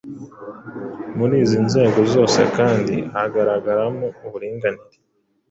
Muri izi nzego zose kandi hagaragaramo uburinganire